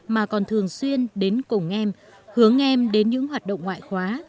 mà còn thường xuyên đến cùng em hướng em đến những hoạt động ngoại khóa